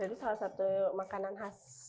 itu salah satu makanan khas juga